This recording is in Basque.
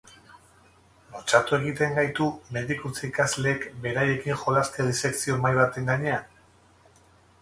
Lotsatu egiten gaitu medikuntza ikasleek beraiekin jolastea disekzio mahai baten gainean?